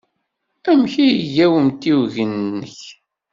Amek ay iga wemtiweg-nnek?